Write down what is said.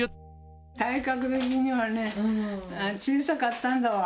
体格的にはね、小さかったんだわ。